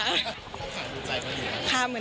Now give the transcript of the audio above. คงสั่งหัวใจกันอย่างเงี้ย